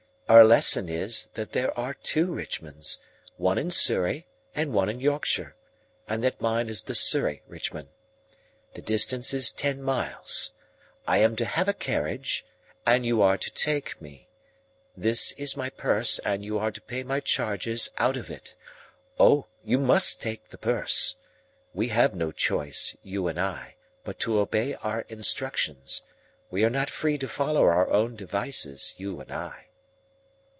"Our lesson is, that there are two Richmonds, one in Surrey and one in Yorkshire, and that mine is the Surrey Richmond. The distance is ten miles. I am to have a carriage, and you are to take me. This is my purse, and you are to pay my charges out of it. O, you must take the purse! We have no choice, you and I, but to obey our instructions. We are not free to follow our own devices, you and I."